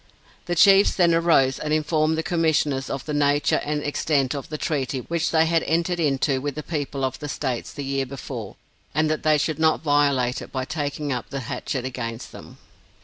The Chiefs then arose, and informed the Commissioners of the nature and extent of the treaty which they had entered into with the people of the states, the year before, and that they should not violate it by taking up the hatchet against them.